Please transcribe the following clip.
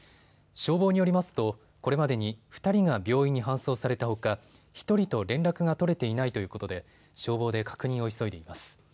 消防によりますとこれまでに２人が病院に搬送されたほか１人と連絡が取れていないということで消防で確認を急いでいます。